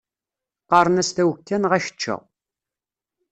Qqaren-as tawekka neɣ akečča.